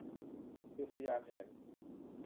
คือพญาแถน